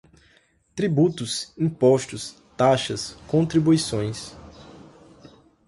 tributos, impostos, taxas, contribuições